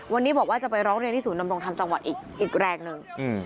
วันนี้บอกว่าจะไปร้องเรียนที่ศูนย์นำลงทำต่างวัดอีกแรงหนึ่งอืม